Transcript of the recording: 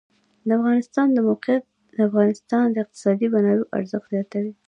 د افغانستان د موقعیت د افغانستان د اقتصادي منابعو ارزښت زیاتوي.